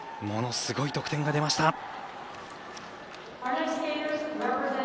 ものすごい得点が出ました。